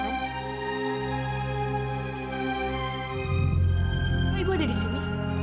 ibu ibu ada di sini